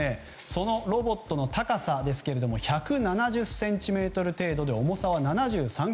そのロボットの高さですが１７０ｃｍ程度で重さは７３ｋｇ。